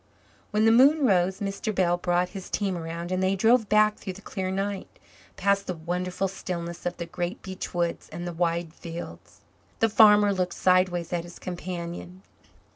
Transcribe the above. When the moon rose, Mr. Bell brought his team around and they drove back through the clear night, past the wonderful stillness of the great beech woods and the wide fields. The farmer looked sideways at his companion.